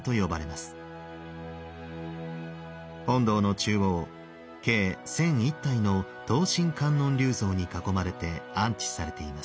本堂の中央計１，００１体の等身観音立像に囲まれて安置されています。